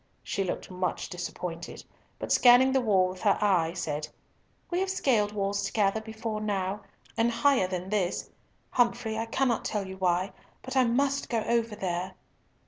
She looked much disappointed, but scanning the wall with her eye, said, "We have scaled walls together before now, and higher than this. Humfrey, I cannot tell you why, but I must go over here."